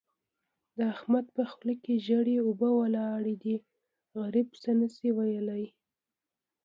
د احمد په خوله کې ژېړې اوبه ولاړې دي؛ غريب څه نه شي ويلای.